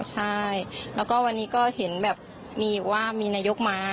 ใช่แล้วก็วันนี้ก็เห็นแบบมีว่ามีนายกมา